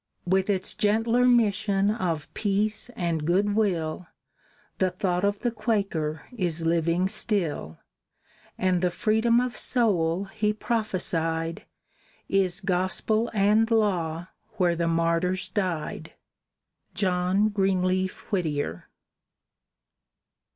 With its gentler mission of peace and good will The thought of the Quaker is living still, And the freedom of soul he prophesied Is gospel and law where the martyrs died. JOHN GREENLEAF WHITTIER.